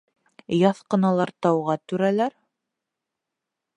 Яҫҡыналар тауға түрәләр?..